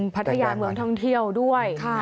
พัทยาเมืองท่องเที่ยวด้วย